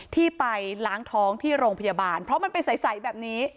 ที่ไปล้างท้องที่โรงพยาบาลเพราะมันเป็นใสแบบนี้